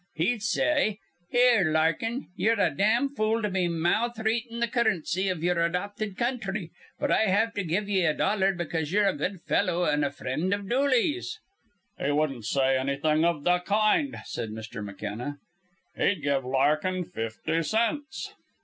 He'd say, 'Here, Larkin, ye're a dam fool to be malthreatin' th' currincy iv yer adophted counthry, but I have to give ye a dollar because ye're a good fellow an' a frind iv Dooley's.'" "He wouldn't say anything of the kind," said Mr. McKenna. "He'd give Larkin fifty cents."